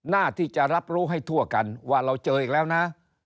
หน้าที่จะรับรู้ให้ทั่วกันว่าเราเจออีกแล้วนะ